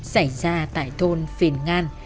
xảy ra tại thôn phiền ngan